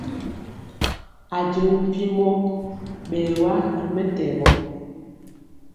Ajɔŋ mpiemɔ bɛwa ri mɛtɛgɔ.